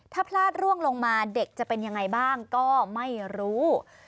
ถ้าพลาดร่วงลงมาเด็กจะเป็นยังไงบ้างก็ไม่รู้